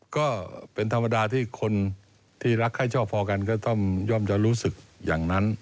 ก็เป็นธรรมดาที่คนที่รักให้ชอบพอกันก็ต้องย่อมจะรู้สึกอย่างนั้น